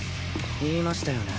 言いましたよね